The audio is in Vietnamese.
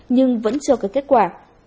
nhưng vẫn chưa có kết quả